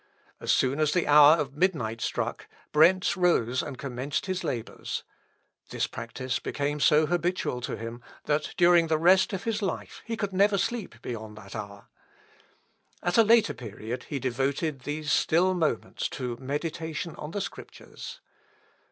As soon as the hour of midnight struck, Brentz rose and commenced his labours. This practice became so habitual to him, that, during the rest of his life, he could never sleep beyond that hour. At a later period he devoted these still moments to meditation on the Scriptures.